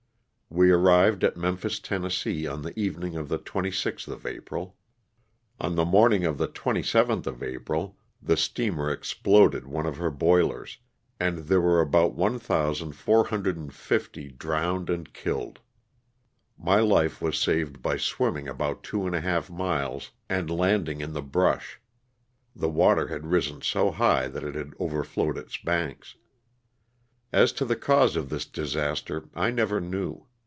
We arrived at Memphis, Tenn., on the evening of the 26th of April. On the morning of the 27th of April, the steamer exploded one of her boilers and there were about one thousand four hundred and fifty (1,450) drowned and killed. My life was saved by swimming about two and a half miles and landing in the brush (the water had risen so high that it had overflowed its banks). As to the cause of this disaster I never knew.